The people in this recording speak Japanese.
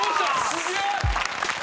すげえ！